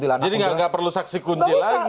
jadi tidak perlu saksi kunci lagi